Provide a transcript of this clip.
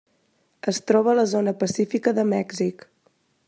Es troba a la zona pacífica de Mèxic.